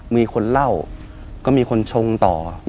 มีคนเล่าก็มีคนชงต่อ